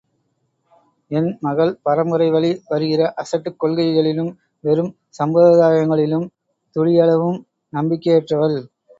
என் மகள் பரம்பரை வழி வருகிற அசட்டுக் கொள்கைகளிலும் வெறும் சம்பிரதாயங்களிலும் துளியளவும் நம்பிக்கையற்றவள்.